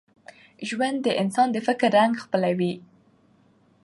ژوند د انسان د فکر رنګ خپلوي.